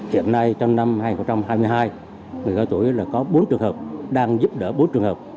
hiện nay trong năm hai nghìn hai mươi hai người cao tuổi là có bốn trường hợp đang giúp đỡ bốn trường hợp